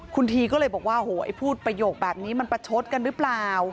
คุณทีก็เลยบอกว่าโหไอ้พูดประโยคแบบนี้มันประชดกันหรือเปล่า